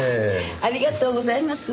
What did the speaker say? ありがとうございます。